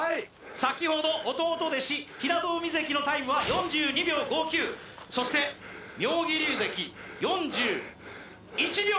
先ほど弟弟子平戸海関のタイムは４２秒５９そして妙義龍関４１秒５６！